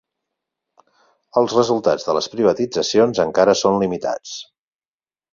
Els resultats de les privatitzacions encara són limitats.